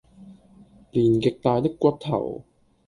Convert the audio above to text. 連極大的骨頭，